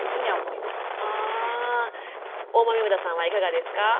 大豆生田さんはいかがですか？